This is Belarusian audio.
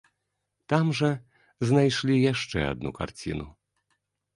Там жа знайшлі яшчэ адну карціну.